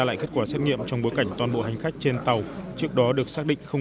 lại kết quả xét nghiệm trong bối cảnh toàn bộ hành khách trên tàu trước đó được xác định không